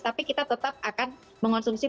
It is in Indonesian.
tapi kita tetap akan mengonsumsi